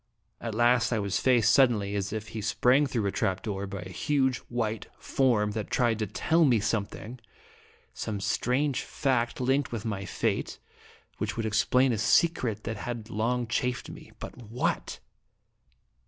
At last, 1 was faced suddenly, as if he sprang through a trap door, by a huge white form that tried to tell me something, some strange fact linked with my fate, which would explain a secret that had long chafed me. But what?